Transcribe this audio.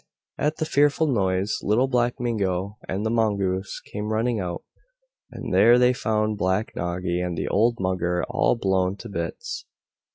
At the fearful noise Little Black Mingo and the Mongoose came running out, and there they found Black Noggy and the old Mugger all blown to bits.